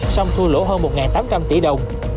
xong thua lỗ hơn một tỷ đồng